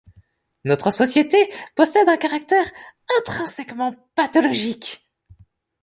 Notre société possède un caractère intrinsèquement pathologique.